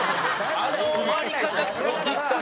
あの終わり方すごかったな。